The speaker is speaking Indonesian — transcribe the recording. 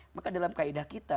maka dalam kaedah kita